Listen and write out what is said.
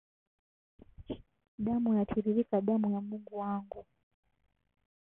Damu yatiririka damu ya Mungu wangu.